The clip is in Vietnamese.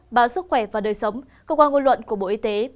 báo sức khỏe và đời sống cơ quan ngôn luận của bộ y tế